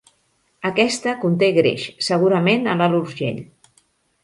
Aquesta conté greix, segurament a l'Alt Urgell.